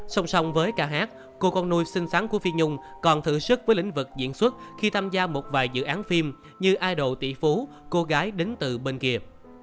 sông sông với ca hát cô con nuôi sinh sáng của phi nhung còn thử sức với lĩnh vực diễn xuất khi tham gia một vài dự án phim như idol tỷ phú cô gái đến từ bên kìa